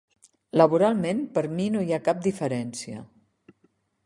Laboralment, per mi no hi ha cap diferència.